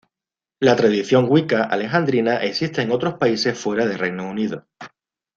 La tradición Wicca alejandrina existe en otros países fuera de Reino Unido.